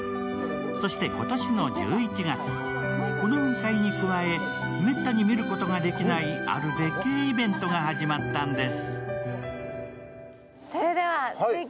そして今年１１月、この雲海に加え、滅多に見ることができない、ある絶景イベントが始まったんです。